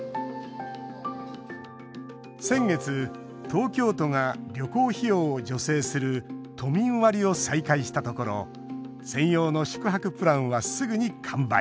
先月、東京都が旅行費用を助成する都民割を再開したところ専用の宿泊プランはすぐに完売。